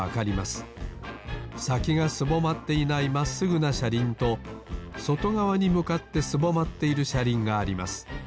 さきがすぼまっていないまっすぐなしゃりんとそとがわにむかってすぼまっているしゃりんがあります。